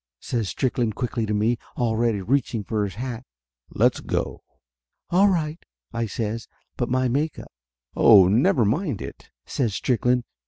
says Strickland quickly to me, al ready reaching for his hat. "Let's go!" "All right !" I says. "But my make up " "Oh, never mind it," says Strickland.